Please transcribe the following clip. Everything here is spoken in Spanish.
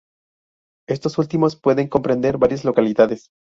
Estos últimos pueden comprender varias "Localidades".